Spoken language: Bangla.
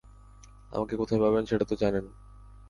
আমাকে কোথায় পাবেন সেটা তো জানেন।